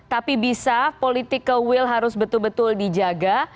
tapi bisa political will harus betul betul dijaga